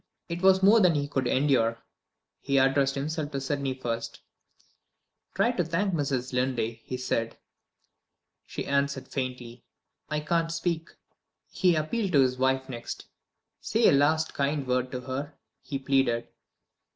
It was more than he could endure. He addressed himself to Sydney first. "Try to thank Mrs. Linley," he said. She answered faintly: "I can't speak!" He appealed to his wife next. "Say a last kind word to her," he pleaded.